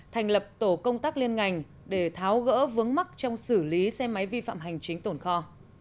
thành lập tổ công tác liên ngành để tháo gỡ vướng mắc trong xử lý xe máy vi phạm hành chính tồn kho